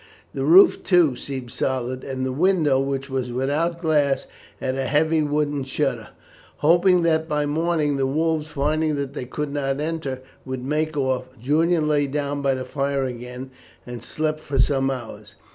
The roof, too, seemed solid; and the window, which was without glass, had a heavy wooden shutter. Hoping that by morning the wolves, finding that they could not enter, would make off, Julian lay down by the fire again, and slept for some hours.